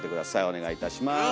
お願いいたします。